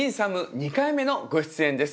２回目のご出演です。